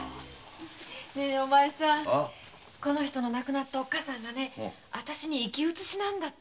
この人の亡くなったおっかさんがあたしに生き写しなんだって。